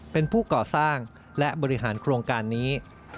เป็นผู้ก่อสร้างและบริหารโครงการนี้